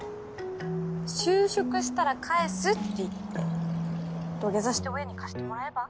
「就職したら返す」って言って土下座して親に貸してもらえば？